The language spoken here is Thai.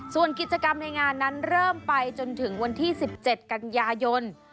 ส่วนกิจกรรมในงานนั้นเริ่มไปจนถึงวันที่๑๗กันยายน